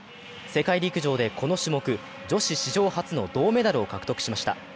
世界陸上でこの種目、女子史上初の銅メダルを獲得しました。